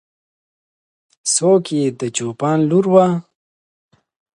څوک یې د چوپان لور وه؟